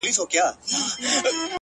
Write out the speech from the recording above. • چي بې عزتو را سرتوري کړلې,